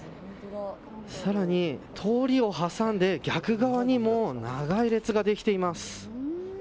更に、通りを挟んで逆側にも長い列ができています。